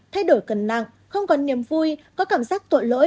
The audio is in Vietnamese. thay đổi cân năng không còn niềm vui có cảm giác tội lỗi